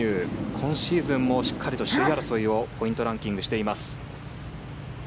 今シーズンもしっかりと首位争いをポイントランキングしています。